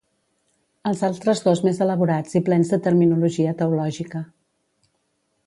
Els altres dos més elaborats i plens de terminologia teològica.